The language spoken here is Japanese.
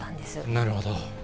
なるほど。